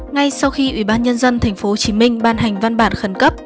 ngay sau khi ủy ban nhân dân tp hcm ban hành văn bản khẩn cấp